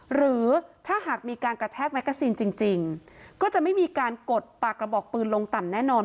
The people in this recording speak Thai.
หรือถ้าหากมีการกระแทกแกซีนจริงก็จะไม่มีการกดปากกระบอกปืนลงต่ำแน่นอน